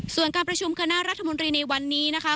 ส่วนการประชุมคณะรัฐมนตรีในวันนี้นะคะ